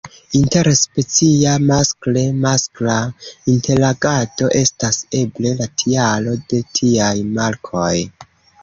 Inter-specia maskle-maskla interagado estas eble la tialo de tiaj markoj.